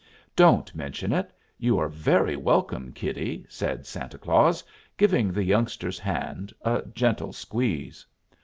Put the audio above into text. "Don't mention it; you are very welcome, kiddie," said Santa Claus, giving the youngster's hand a gentle squeeze.